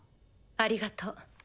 ありがと。